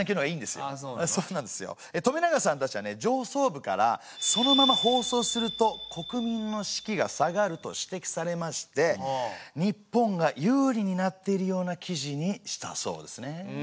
上層部からそのまま放送すると国民の士気が下がると指てきされまして日本が有利になっているような記事にしたそうですね。